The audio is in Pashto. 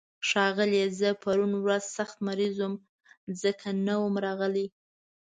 ښاغليه، زه پرون ورځ سخت مريض وم، ځکه نه وم راغلی.